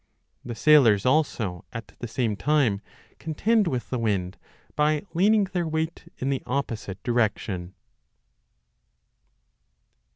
The sailors also at the same time contend with the wind by leaning their weight in the opposite direction.